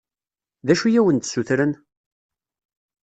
D acu i awen-d-ssutren?